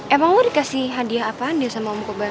emang lo dikasih hadiah apaan deh sama om kobar